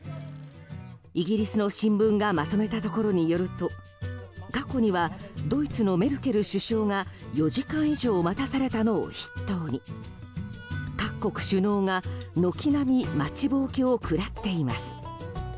イギリスの新聞がまとめたところによると過去にはドイツのメルケル首相が４時間以上待たされたのを筆頭に各国首脳が軒並み待ちぼうけを食らっています。